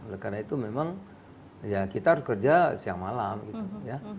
oleh karena itu memang ya kita harus kerja siang malam gitu ya